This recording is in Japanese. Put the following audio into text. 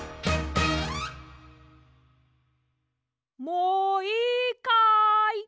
もういいかい？